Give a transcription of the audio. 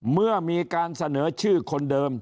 เมื่อมีการเสนอชื่อคนเดิม